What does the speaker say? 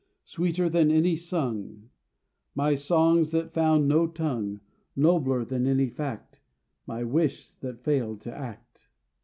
Sweeter than any sung My songs that found no tongue Nobler than any fact My wish that failed to act.